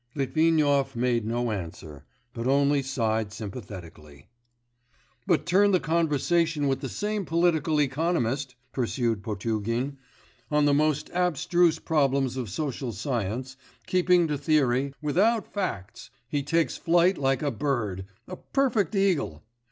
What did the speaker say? Litvinov made no answer, but only sighed sympathetically. 'But turn the conversation with the same political economist,' pursued Potugin, 'on the most abstruse problems of social science, keeping to theory, without facts...! he takes flight like a bird, a perfect eagle.